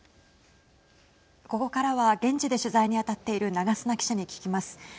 ここからは現地で取材に当たっている長砂記者に聞きます。